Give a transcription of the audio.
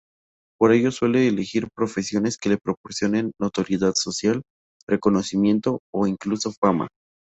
Por ello suelen elegir profesiones que les proporcionen notoriedad social, reconocimiento o incluso fama.